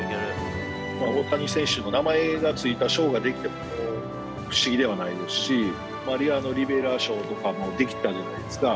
大谷選手の名前が付いた賞が出来ても、不思議ではないですし、マリアノ・リベラ賞とかも出来たじゃないですか。